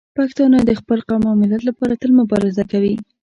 پښتانه د خپل قوم او ملت لپاره تل مبارزه کوي.